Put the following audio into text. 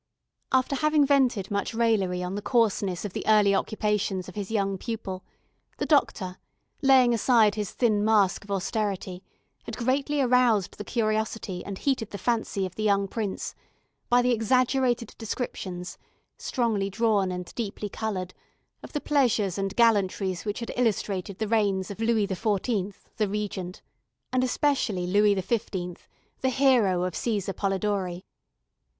After having vented much raillery on the coarseness of the early occupations of his young pupil, the doctor, laying aside his thin mask of austerity, had greatly aroused the curiosity and heated the fancy of the young prince, by the exaggerated descriptions, strongly drawn and deeply coloured, of the pleasures and gallantries which had illustrated the reigns of Louis XIV., the Regent, and especially Louis XV., the hero of César Polidori.